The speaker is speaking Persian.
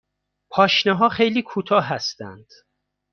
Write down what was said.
پاشنه ها خیلی کوتاه هستند.